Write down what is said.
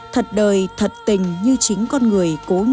thật đời thật tình như chính con người cố nhạc sĩ hoàng vân